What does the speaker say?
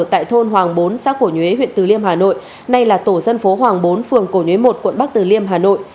tại thôn hoàng bốn xã cổ nhuế huyện từ liêm hà nội nay là tổ dân phố hoàng bốn phường cổ nhuế một quận bắc từ liêm hà nội